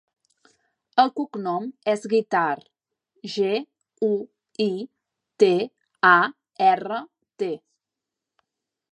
El cognom és Guitart: ge, u, i, te, a, erra, te.